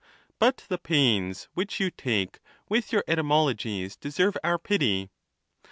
But the pains which you take with your etymologies deserve our pity.